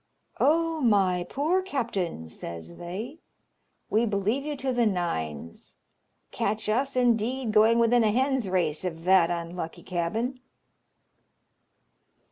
"Oh, my poor captain," says they, "we believe you to the nines. Catch us, indeed, going within a hen's race of that unlucky cabin!"